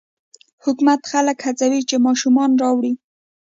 حکومت خلک هڅوي چې ماشومان راوړي.